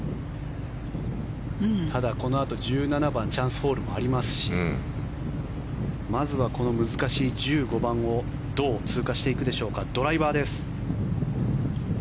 ただ、このあと１７番チャンスホールもありますしまずはこの難しい１５番をどう通過していくでしょうかドライバーです。